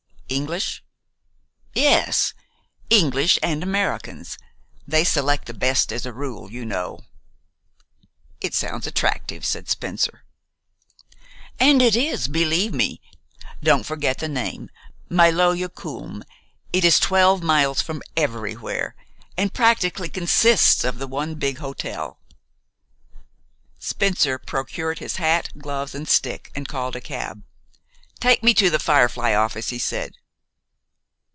"English?" "Yes, English and Americans. They select the best as a rule, you know." "It sounds attractive," said Spencer. "And it is, believe me. Don't forget the name, Maloja Kulm. It is twelve miles from everywhere, and practically consists of the one big hotel." Spencer procured his hat, gloves, and stick, and called a cab. "Take me to 'The Firefly' office," he said.